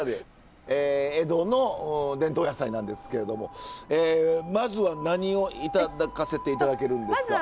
江戸の伝統野菜なんですけれどもまずは何を頂かせて頂けるんですか？